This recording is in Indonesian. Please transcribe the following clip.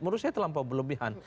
menurut saya terlampau berlebihan